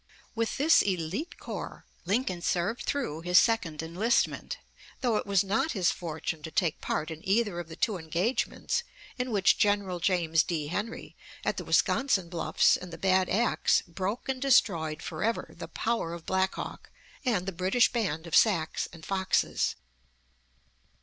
With this elite corps Lincoln served through his second enlistment, though it was not his fortune to take part in either of the two engagements in which General James D. Henry, at the Wisconsin Bluffs and the Bad Axe, broke and destroyed forever the power of Black Hawk and the British band of Sacs and Foxes.